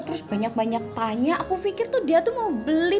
terus banyak banyak tanya aku pikir tuh dia tuh mau beli